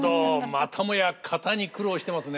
またもや型に苦労してますね。